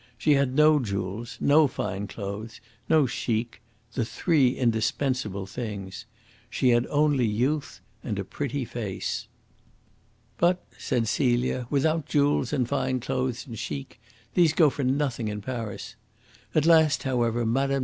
She had no jewels, no fine clothes, no CHIC the three indispensable things. She had only youth and a pretty face. "But," said Celia, "without jewels and fine clothes and CHIC these go for nothing in Paris. At last, however, Mme.